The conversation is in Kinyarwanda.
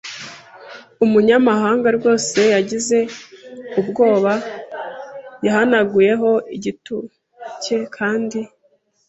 umunyamahanga rwose yagize ubwoba. Yahanaguyeho igituba cye kandi